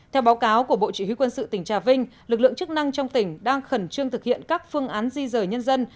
theo báo cáo của bộ chỉ huy quân sự tỉnh trà vinh lực lượng chức năng trong tỉnh đang khẩn trương thực hiện các phương án di rời nhân dân